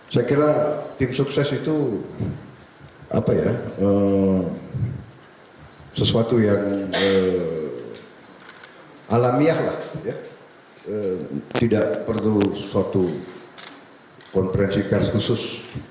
saya kira tim sukses itu sesuatu yang alamiah lah tidak perlu suatu konferensi pers khusus